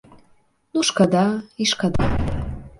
Ну шкада, і шкада.